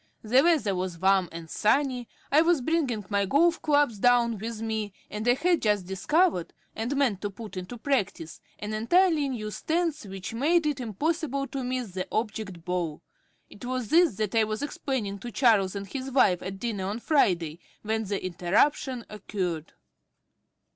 The weather was warm and sunny, I was bringing my golf clubs down with me, and I had just discovered (and meant to put into practice) an entirely new stance which made it impossible to miss the object ball. It was this that I was explaining to Charles and his wife at dinner on Friday, when the interruption occurred.